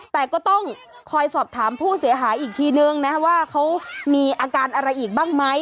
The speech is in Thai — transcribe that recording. แต่ก็ต้องคอยสอบถามผู้เสียหายอีกทีนึงนะว่าเขามีอาการอะไรอีกบ้างไหม